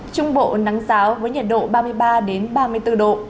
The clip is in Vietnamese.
trung bộ nắng sáo với nhiệt độ ba mươi ba đến ba mươi bốn độ